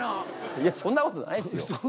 いやそんな事ないですよ。